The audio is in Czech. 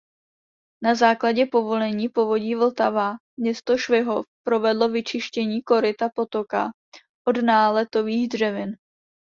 Na základě povolení Povodí Vltava město Švihov provedlo vyčištění koryta potoka od náletových dřevin.